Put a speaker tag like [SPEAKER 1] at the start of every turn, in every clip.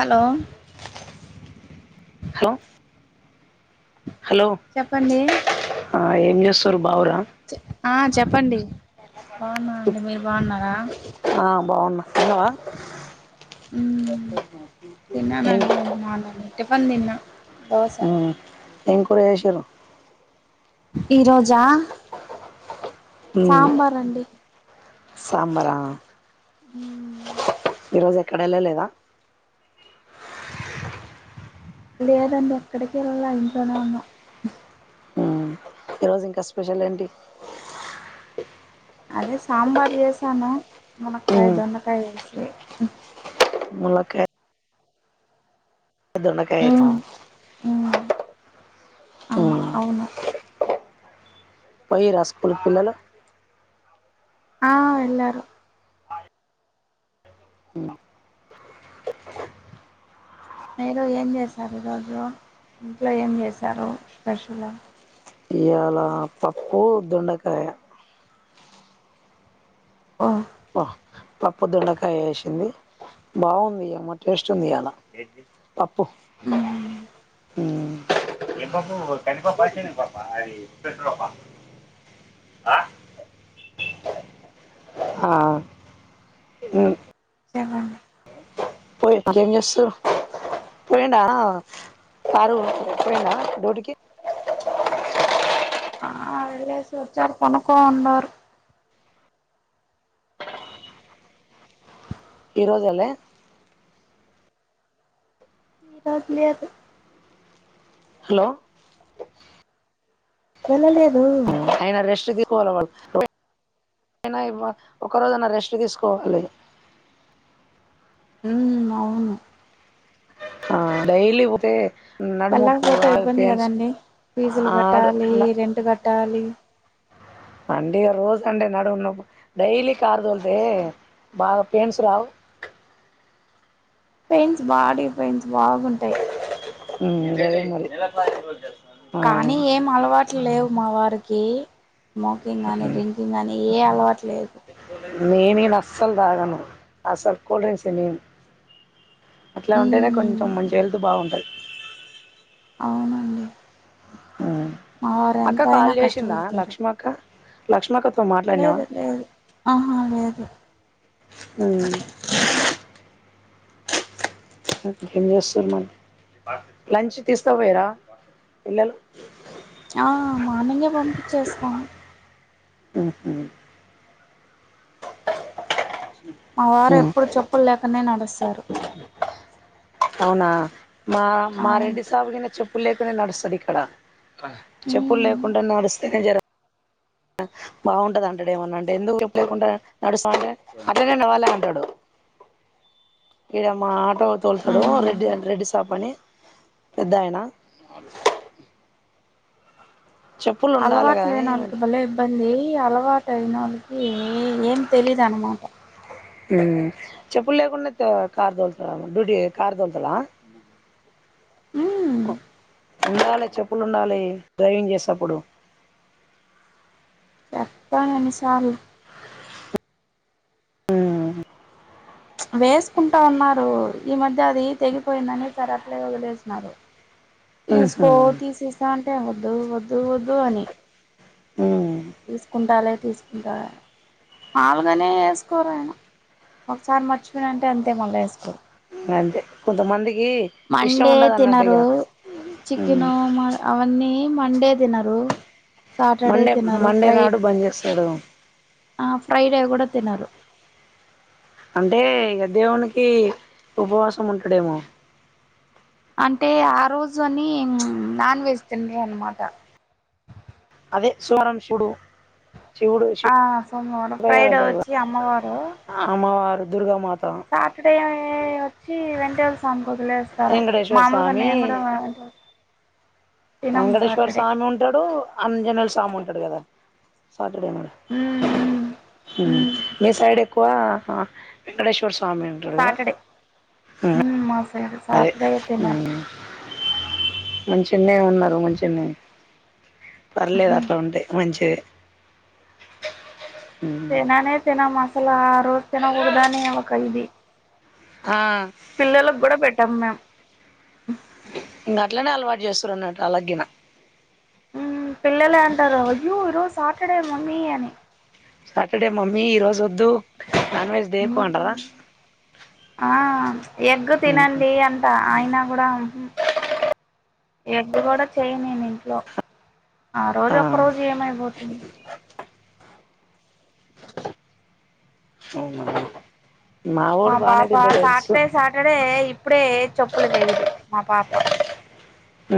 [SPEAKER 1] Hello
[SPEAKER 2] hello hello
[SPEAKER 1] చెప్పండి
[SPEAKER 2] ఆ ఏం చేస్తురు బావురా
[SPEAKER 1] ఆ చెప్పండి బాగున్నాండి మీరు బాగున్నారా
[SPEAKER 2] ఆ, బాగున్నా తిన్నావా
[SPEAKER 1] ఉం తిన్న
[SPEAKER 2] ఏం
[SPEAKER 1] నండి మార్నింగ్ టిఫిన్ తిన్న
[SPEAKER 2] ఆ ఏం కూర చేసిరు
[SPEAKER 1] ఈ రోజా
[SPEAKER 2] మ్
[SPEAKER 1] సాంబార్ అండి
[SPEAKER 2] సంబారా
[SPEAKER 1] మ్
[SPEAKER 2] ఈ రోజు ఎక్కడ వెళ్ళలేదా
[SPEAKER 1] లేదండి ఎక్కడికి వెళ్ళాలే ఇంట్లోనే ఉన్నాం
[SPEAKER 2] రోజ్ ఇంకా స్పెషల్ ఏంటి
[SPEAKER 1] అదే సాంబార్ చేసాను మునకాయ
[SPEAKER 2] ఉమ్,
[SPEAKER 1] దొండకాయ వేసి
[SPEAKER 2] ములాక్కయ్ దొండకాయేప
[SPEAKER 1] మ్మ్ అం అవును
[SPEAKER 2] పోర్ర స్కూల్ పిల్లలు
[SPEAKER 1] ఆ ఎళ్ళారు మీరు ఏం చేశారు ఈరోోజు ఇంట్లో ఏం చేశారు స్పెషల్
[SPEAKER 2] ఇయలా పప్పు దొండకాయ
[SPEAKER 1] ప
[SPEAKER 2] పప్పు దొండకాయేసింది బాగుంది యమ్మ టెస్ట్ ఉంది ఇయ్యాల పప్పు
[SPEAKER 1] మ్మ్
[SPEAKER 2] ఏం పప్పు కంది పప్ప శనగ పప్ప అది పేసరు పప్ప ఆ ఆ ఆ మ్
[SPEAKER 1] చెప్పండి
[SPEAKER 2] పో ఇంకేం చేస్తుర్రు పోఇండా కారు పోఇండా డ్యూటికి
[SPEAKER 1] హల్డ్స్ వచ్చరు పండుకొని ఉన్నారు
[SPEAKER 2] ఈ రోజులే
[SPEAKER 1] ఈ రోజు లేదు
[SPEAKER 2] హలో
[SPEAKER 1] వెళ్ళలేదు
[SPEAKER 2] ఆయన రెస్ట్ తీసుకోవాలి అయినా వ ఒక్క రోజు అయినా రెస్ట్ తీసుకోవాలి
[SPEAKER 1] మ్ అవును
[SPEAKER 2] ఆ డైలీ పోతే నడుముప్పు
[SPEAKER 1] వెళ్ళకపోతే
[SPEAKER 2] ఆ
[SPEAKER 1] ఇబ్బంది
[SPEAKER 2] పెయిన్స్
[SPEAKER 1] కదండి ఫీజులు
[SPEAKER 2] ఆడు
[SPEAKER 1] కట్టాలి రెంట్ కట్టాలి
[SPEAKER 2] అంటే ఇగ రోజు అంటే నడుమునోప్ డైలీ కారు తొలుతే బాగా పెయిన్స్ రావు
[SPEAKER 1] పెయిన్స్ బాడీ పెయిన్స్ బాగుంటాయి
[SPEAKER 2] మ్ గదే మరి ఆ
[SPEAKER 1] కానీ ఏం అలవాట్లు లేవు మా వారికి స్మోకింగ్ కని డ్రింక్ కింగ్ కానీ ఏ అలవట్లేదు
[SPEAKER 2] మీ నిను అస్సలు తగను అస్సలు కూల్ డ్రింక్సే నిన్ అట్లా ఉంటేనే కొంచెం
[SPEAKER 1] ఉమ్
[SPEAKER 2] మంచిగా హెల్త్ బాగుంటది
[SPEAKER 1] అవునండి
[SPEAKER 2] మ్
[SPEAKER 1] మా వారు
[SPEAKER 2] అక్క కాల్
[SPEAKER 1] ఎంతయినా
[SPEAKER 2] చేసిందా
[SPEAKER 1] కష్టపడతారు
[SPEAKER 2] లక్ష్మీ అక్క లక్ష్మక్కత్తో మాట్లాడినావా
[SPEAKER 1] లేదు లేదు ఆహా లేదు
[SPEAKER 2] మ్ [unintelligible] లంచ్ తీస్కాపోయిర్ర పిల్లలు
[SPEAKER 1] ఆ మార్నింగే పంపించేస్తాము
[SPEAKER 2] హ్మ్ హు
[SPEAKER 1] మా వారు ఎప్పుడు చెప్పుల్ లేకుండనే నడుస్తారు
[SPEAKER 2] అవునా మా మా
[SPEAKER 1] అవును
[SPEAKER 2] రెడ్డి సాంగ్ మీద చెప్ చెప్పుల్ లేకుండా నడుస్తది ఇక్కడ చెప్పుల్
[SPEAKER 1] హ్మ్
[SPEAKER 2] లేకుండా నడుస్తానే జరా బాగుంటది అంటడు ఏమన్నా అంటే ఎందుకు చెప్పుల్ లేకుండా నడుస్తాంటే అట్లనే నడవాలి అంటడు ఇడ మా ఆటో
[SPEAKER 1] ఆ
[SPEAKER 2] తోల్తడు రెడ్డి రెడ్డి సాప్ అని పెద్దయనా చెప్పులు ఉండాలి కానీ
[SPEAKER 1] అలవాట్లేనోళ్ళకి భలే ఇబ్బంది అలవాటయినోళ్ళకి ఏ ఏం తెలీదనమాట
[SPEAKER 2] మ్మ్ చెప్పుల్ లేకుండా కార్ తోలుత డ్యూటీ కార్ తోల్తడా
[SPEAKER 1] మ్మ్
[SPEAKER 2] ఉండాలి చెప్పులుండాలి డ్రైవింగ్ చేసేప్పుడు
[SPEAKER 1] చెప్పను ఎన్నిసార్లు
[SPEAKER 2] ఉహు
[SPEAKER 1] వేసుకుంటా ఉన్నారు ఈ మధ్య అది తెగిపోయిందని సరే అట్లే వదిలేసినారు
[SPEAKER 2] హా
[SPEAKER 1] తీసుకో తీసేస్తా అంటే వద్దు వద్దు వద్దు అని
[SPEAKER 2] హ్మ్
[SPEAKER 1] తీసుకుంటాలే తీసుకుంటా మాములుగానే ఎసుకోరు ఆయన ఒకసారి మర్చిపోయిన అంటే అంతే మళ్ళీ ఎస్కోరు
[SPEAKER 2] ఇంగ అంతే కొంతమందికి ఇష్టం
[SPEAKER 1] మండే
[SPEAKER 2] ఉండదు అన్నట్టు ఇగ
[SPEAKER 1] తినరు
[SPEAKER 2] ఉమ్
[SPEAKER 1] చికెను మ అవన్నీ మండే తినరు సాటర్డే
[SPEAKER 2] మండే
[SPEAKER 1] తినరు
[SPEAKER 2] మండే
[SPEAKER 1] ఫ్రై
[SPEAKER 2] నాడు బంద్ చేస్తాడు
[SPEAKER 1] ఆ ఫ్రైడే కుడా తినరు
[SPEAKER 2] అంటే ఇగ దేవునికి ఉపవాసం ఉంటడేమో
[SPEAKER 1] అంటే ఆ రోజు అని చ్ నాన్ వెజ్ తిన్రాన్మాట
[SPEAKER 2] అదే సోమవారం శివుడు శివుడు శివ
[SPEAKER 1] ఆ [unintelligible]
[SPEAKER 2] శివయ్య
[SPEAKER 1] ఫ్రైడే
[SPEAKER 2] అంటారు కదా
[SPEAKER 1] వచ్చి అమ్మవారు
[SPEAKER 2] అమ్మవారు దుర్గామాత
[SPEAKER 1] సాటర్డే ఛీ వెంకటేం స్వామి వదిలేస్తారు
[SPEAKER 2] వెంకటేశ్వర
[SPEAKER 1] మాములుగా
[SPEAKER 2] స్వామి
[SPEAKER 1] నేన్ కుడా
[SPEAKER 2] వెంకటేశ్వర స్వామి ఉంటడు అంజనేల స్వామి ఉంటడు కదా సాటర్డే నా
[SPEAKER 1] మ్మ్
[SPEAKER 2] హ్మ్
[SPEAKER 1] మ్మ్
[SPEAKER 2] మీ సైడ్ ఎక్కువ వెంకటేశ్వర స్వామి ఉంటాడు కదా
[SPEAKER 1] సాటర్డే
[SPEAKER 2] ఉమ్
[SPEAKER 1] హ్మ్ మా సైడు
[SPEAKER 2] అదే
[SPEAKER 1] సాటర్డే తినాలి
[SPEAKER 2] మంచినేే ఉన్నరు మంచినే పర్లేదు అట్ల ఉంటె మంచిదే
[SPEAKER 1] తిననే తినను అసలు ఆ రోజు తినకూడదాని ఒక ఇది
[SPEAKER 2] ఆ
[SPEAKER 1] పిల్లలకు కుడా పెట్టాం మేమ్
[SPEAKER 2] ఇంగ అట్లనే అలవాటు చేస్తుర్రన్నట్టు వాళ్లగినా
[SPEAKER 1] పిల్లలే అంటారు అయ్యో ఈరోజు సాటర్డే మమ్మీ అని
[SPEAKER 2] సాటర్డే మమ్మీ ఈ రోజు వద్దు నాన్ వెెజ్
[SPEAKER 1] ఆ ఎగ్ తినండి అం ఆయన కుడా హ్మ్ హు ఎగ్ కుడా చేయను నేన్ ఇంట్లో ఆ రోజు ఒక్క రోజు ఏమైపోతుంది మా
[SPEAKER 2] మావోడు బానే
[SPEAKER 1] పాప
[SPEAKER 2] తింటడు ఎగ్స్
[SPEAKER 1] సాటర్డే సాటర్డే ఇప్పుడే చెప్పులు వేయ్యదు మా పాప
[SPEAKER 2] ఉ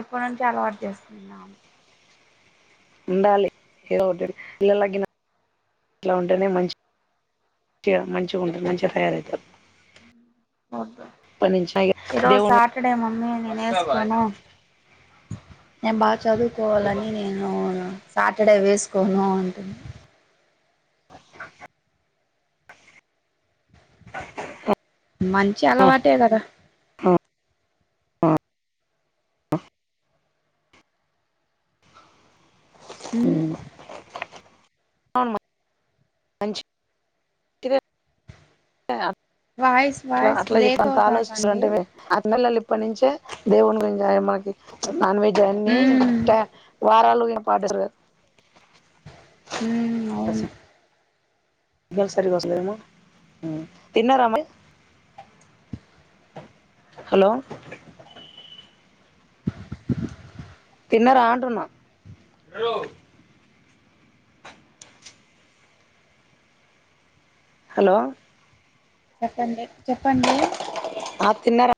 [SPEAKER 1] ఇప్పుడు నుంచే అలావాటు చేసుకుందాం
[SPEAKER 2] ఉండాలి ఏదో ఒకటి పిల్లలగినా అట్లా ఉంటేనే మంచి తే మంచిగా ఉంటుంది మంచిగా తయారు అయితది
[SPEAKER 1] వద్దు
[SPEAKER 2] ఇప్పటి నుంచే ఇగ
[SPEAKER 1] ఈరోజు
[SPEAKER 2] దేవునీ
[SPEAKER 1] సాటర్డే మమ్మీ
[SPEAKER 2] అ
[SPEAKER 1] నేను
[SPEAKER 2] [inaudible]
[SPEAKER 1] వేసుకోను నేను బాగా చదువుకోవాలని నేను సాటర్డే వేసుకోను అంటుంది
[SPEAKER 2] ఓ [inaudible] అ
[SPEAKER 1] మంచి అలవాటే కదా
[SPEAKER 2] ఆ
[SPEAKER 1] ఉ
[SPEAKER 2] మంచి టా
[SPEAKER 1] వాయిస్
[SPEAKER 2] అట్లా
[SPEAKER 1] వాయిస్
[SPEAKER 2] అట్లా ఇప్పుడు
[SPEAKER 1] బ్రేక్
[SPEAKER 2] అంత ఆలోచిస్తారు
[SPEAKER 1] అవుతాందండి
[SPEAKER 2] అంటే ఆడ పిల్లలు ఇప్పటి నుంచే దేవుని గురించి మనకి నాన్ వెెజ్ అన్ని
[SPEAKER 1] ఉమ్
[SPEAKER 2] కా వారాలుగినా పాటిస్తారు
[SPEAKER 1] ఉ
[SPEAKER 2] సిగ్నల్ సరిగ్గా వస్తలేదేమో ఉ హలో తిన్నారా అంటున్నా హలో
[SPEAKER 1] చెప్పండి చెప్పండి
[SPEAKER 2] ఆ తిన్నారా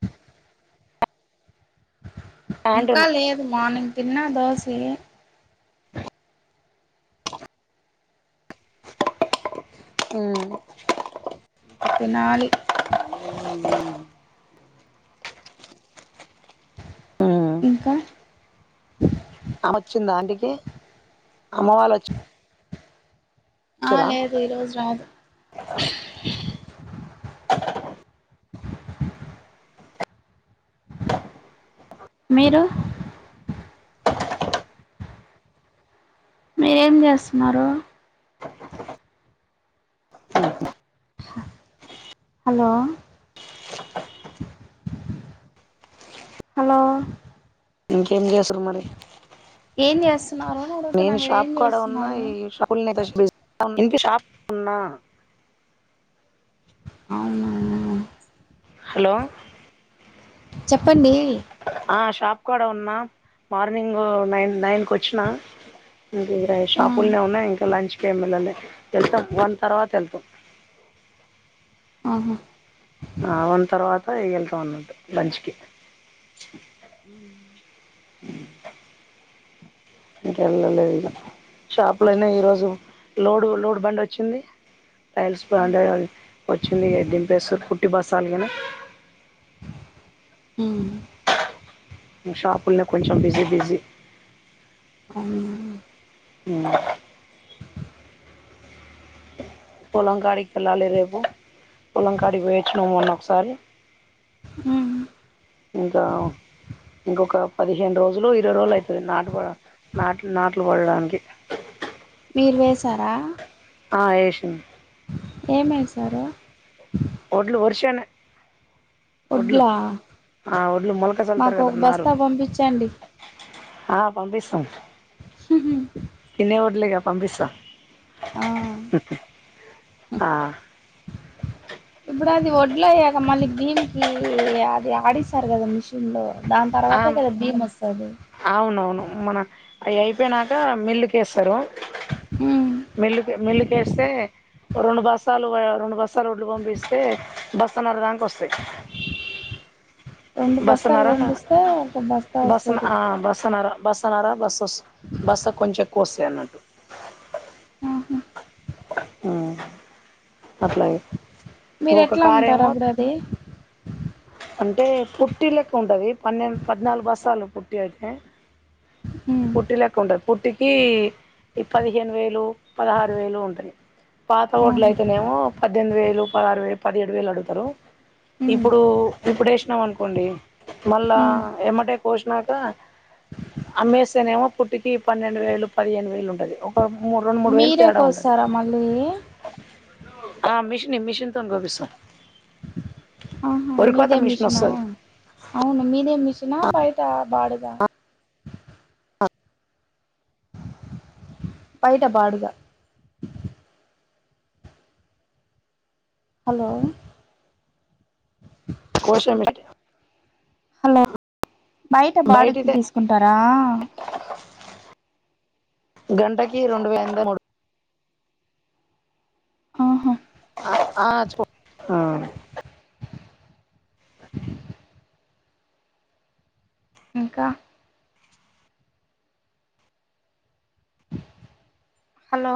[SPEAKER 1] ఇంకా
[SPEAKER 2] అంటున్నా
[SPEAKER 1] లేదు మార్నింగ్ తిన్న దోసి
[SPEAKER 2] ఉ
[SPEAKER 1] ఇంక తినాలి
[SPEAKER 2] ఊ
[SPEAKER 1] ఇంకా
[SPEAKER 2] ఆమె వచ్చిందా ఇంటికి అమ్మ వాళ్ళు వచ్చి
[SPEAKER 1] ఆ
[SPEAKER 2] వచ్చారా
[SPEAKER 1] లేదు ఈ రోజు రాదు మీరు మీరేం చేస్తున్నారు హలో హలో
[SPEAKER 2] ఇంకేం చేసురు మరి
[SPEAKER 1] ఏం చేస్తున్నారు అని అడుగుతున్నా
[SPEAKER 2] నేను షాప్
[SPEAKER 1] మీరేం
[SPEAKER 2] కాడా ఉన్నా
[SPEAKER 1] చేస్తున్నారు
[SPEAKER 2] ఈ షపుల్ నే బిజి ఇంకా షాప్ ఉన్న
[SPEAKER 1] అవునవును
[SPEAKER 2] హలో
[SPEAKER 1] చెప్పండి
[SPEAKER 2] ఆ షాప్ కూడా ఉన్నా మార్నింగ్ నైన్ నైన్కి వచ్చినా ఇంకా ఇడ
[SPEAKER 1] ఆ
[SPEAKER 2] షాపులనే ఉన్నా ఇంకా లంచ్ కి ఏం వెళ్ళలే వెళ్తాం వన్ తర్వాత వెళ్తాం
[SPEAKER 1] ఆహా
[SPEAKER 2] ఆ వన్ తర్వాత వెళ్తాం అన్నట్టు లంచ్ కి
[SPEAKER 1] హ్మ్
[SPEAKER 2] ఇంకెళ్ళలేదు ఇక షాపులోనే ఈరోజు లోడ్ లోడ్ బండ్ వచ్చింది టైల్స్ బాండ్య వచ్చింది ఎ దింపేస్త పుట్టి బస్తాలి కానీ
[SPEAKER 1] హ్మ్
[SPEAKER 2] షాపుల్నే కొంచెం బిజీ బిజీ
[SPEAKER 1] అవును
[SPEAKER 2] హ్మ్ పొలం కాడికి వెళ్ళాలి రేపు పొలం కాడికి పోయి వచ్చిన మొన్న ఒకసారి
[SPEAKER 1] హ్మ్
[SPEAKER 2] ఇంకా ఇంకొక పదిహేను రోజులు ఇరవై రోజులు అయితది నాటుపడ నాట్లు నాట్లు పడడానికి
[SPEAKER 1] మీరు వేశారా
[SPEAKER 2] ఆ ఏషినం
[SPEAKER 1] ఏమేసారు
[SPEAKER 2] ఒడ్లు వర్షన వడ్లు
[SPEAKER 1] వడ్లా
[SPEAKER 2] వడ్లు మొలక చల్తారు
[SPEAKER 1] మాకు
[SPEAKER 2] కదా
[SPEAKER 1] ఒక
[SPEAKER 2] నారు
[SPEAKER 1] బస్తా పంపించండి
[SPEAKER 2] ఆ పంపిస్తాను
[SPEAKER 1] ఉహు
[SPEAKER 2] తినే వడ్లేగా పంపిస్తా
[SPEAKER 1] ఆ
[SPEAKER 2] ఆ
[SPEAKER 1] ఇప్పుడు అది వడ్ల అయ్యాక మళ్ళీ భీమికి అది ఆడిస్తారు కదా మిషన్ లో దాని తర్వాతే కదా భీమ్ వస్తాది
[SPEAKER 2] అవునవును మన అవి అయిపోయినాక మిల్లుకి వేస్తారు
[SPEAKER 1] హ్మ్
[SPEAKER 2] మిల్లుకి మిల్లుకేస్తే రెండు బస్తాలు రెండు బస్తాలు వడ్లు పంపిస్తే బస్తాన్నర దాంక వస్తాయి
[SPEAKER 1] రెండు బస్తాలు పంపిస్తే ఒక బస్తా
[SPEAKER 2] బసన
[SPEAKER 1] వస్తది
[SPEAKER 2] ఆ బస్తాన్నరా బస్ స్నర బస్ వస్ బస్తాకి కొంచెం ఎక్కువ వస్తాయి అన్నట్టు హ్మ్ అట్లే
[SPEAKER 1] మీరు ఎట్లా అమ్ముతారు అప్పుడు అది
[SPEAKER 2] అంటే పుట్టి లెక్క ఉంటది పన్నెండు పద్నాలుగు బస్సాలు పుట్టి అయితే
[SPEAKER 1] ఉమ్
[SPEAKER 2] పుట్టి లెక్క ఉంటది పుట్టికి ఈ పదిహేను వేలు పదహారు వేలు ఉంటంది పాత వోడ్లు
[SPEAKER 1] ఆహా
[SPEAKER 2] అయితేనేమో పద్దెనిమిది వేలు పదహారు వేలు పదిహేడు వేలు అడుగుతారు
[SPEAKER 1] ఉమ్
[SPEAKER 2] ఇప్పుడు ఇప్పుడేసినాం అనుకోండి మళ్ళా
[SPEAKER 1] ఉమ్
[SPEAKER 2] ఎమ్మటే వేసినాక అమ్మేస్తేనేమో పుట్టికి పన్నెండు వేలు పదిహేను వేలు ఉంటది ఓ మూడు రెండు మూడు వేలు
[SPEAKER 1] మీరే
[SPEAKER 2] తేడా ఉంటది
[SPEAKER 1] కోస్తారా మళ్ళీ
[SPEAKER 2] ఆ మిషన్ మిషన్ తోనో కోపిస్తాం
[SPEAKER 1] ఆహా
[SPEAKER 2] వరి కోత
[SPEAKER 1] మీదే
[SPEAKER 2] మిషన్
[SPEAKER 1] మిషనా
[SPEAKER 2] వస్తది
[SPEAKER 1] అవును మీదే మిషనా బయట బాడుగ
[SPEAKER 2] ఆ
[SPEAKER 1] బయట బాడుగా హలో
[SPEAKER 2] కోశ మి
[SPEAKER 1] హలో బయట బాడ్క్కి
[SPEAKER 2] బయటిదే
[SPEAKER 1] తీసుకుంటారా
[SPEAKER 2] గంటకి రెండు వంద మూడు
[SPEAKER 1] ఆహా
[SPEAKER 2] అ ఆ చ్చిపో ఆ
[SPEAKER 1] ఇంకా హలో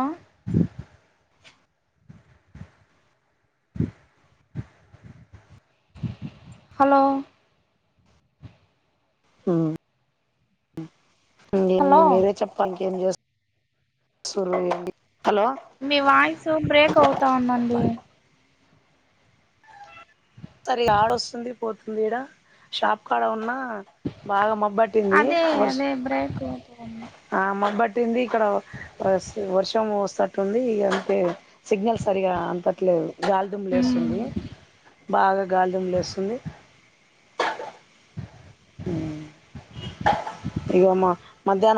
[SPEAKER 1] హలో
[SPEAKER 2] ఆ ఇంగేముంది
[SPEAKER 1] హలో
[SPEAKER 2] మీరే చెప్పలి ఇంకేం చేస్తుర్రు మి హలో
[SPEAKER 1] మీ వాయిస్ బ్రేక్ అవుతా ఉందండి
[SPEAKER 2] తర్ లాడస్తుంది పోతుంది ఇడ షాప్ కాడ ఉన్నా బాగా మబ్బట్టింది వర్ష్
[SPEAKER 1] బ్రేకు
[SPEAKER 2] ఆ మబ్బుబట్టింది ఇక్కడ వర్షం వస్తట్టుంది అంతే సిగ్నల్ సరిగా అంతట్లేదు గాలిదుంలేస్తుంది
[SPEAKER 1] ఉంది.
[SPEAKER 2] బాగా గాలిదుంలేస్తుంది ఉ ఇగొ మా మధ్యాహ్నం